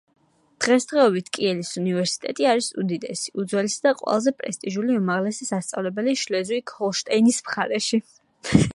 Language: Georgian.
დღესდღეობით კიელის უნივერსიტეტი არის უდიდესი, უძველესი და ყველაზე პრესტიჟული უმაღლესი სასწავლებელი შლეზვიგ-ჰოლშტაინის მხარეში.